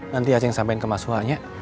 nanti acing sampein ke mas wanya